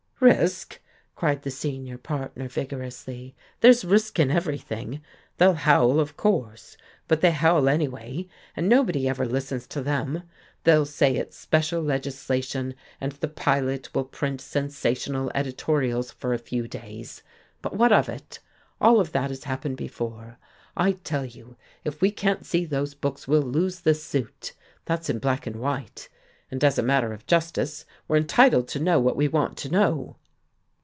"Risk!" cried the senior partner vigorously. "There's risk in everything. They'll howl, of course. But they howl anyway, and nobody ever listens to them. They'll say it's special legislation, and the Pilot will print sensational editorials for a few days. But what of it? All of that has happened before. I tell you, if we can't see those books, we'll lose the suit. That's in black and white. And, as a matter of justice, we're entitled to know what we want to know."